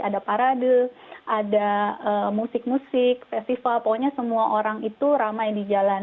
ada parade ada musik musik festival pokoknya semua orang itu ramai di jalan